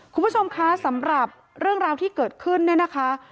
คุณผู้ชมคะสำหรับเรื่องราวที่เกิดขึ้นเนี่ยนะคะ